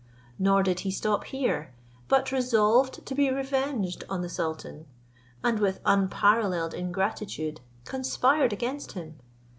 Nor did he stop here, but resolved to be revenged on the sultan, and with unparalleled ingratitude conspired against him.